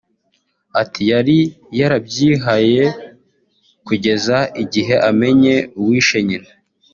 Ati “Yari yarabyihaye kugeza igihe amenye uwishe nyina